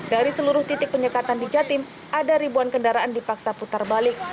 dari seluruh titik penyekatan di jatim ada ribuan kendaraan dipaksa putar balik